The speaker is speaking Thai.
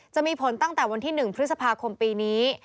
จะมีผลตั้งแต่วันที่๑พฤษภาคมปีนี้